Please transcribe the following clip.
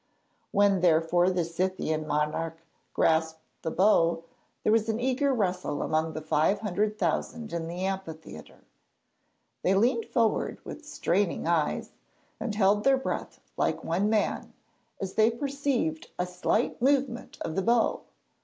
When therefore the Scythian monarch grasped the bow, there was an eager rustle amongst the five hundred thousand in the amphitheatre. They leaned forward with straining eyes, and held their breath like one man, as they perceived a slight movement of the bow.